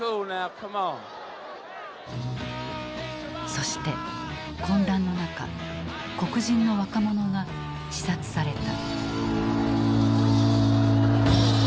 そして混乱の中黒人の若者が刺殺された。